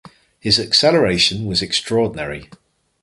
His acceleration was extraordinary.